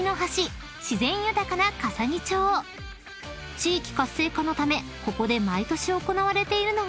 ［地域活性化のためここで毎年行われているのが］